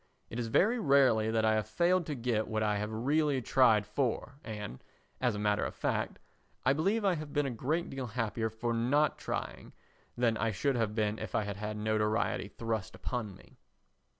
It is very rarely that I have failed to get what I have really tried for and, as a matter of fact, I believe I have been a great deal happier for not trying than I should have been if I had had notoriety thrust upon me.